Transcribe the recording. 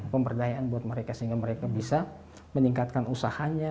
pemberdayaan buat mereka sehingga mereka bisa meningkatkan usahanya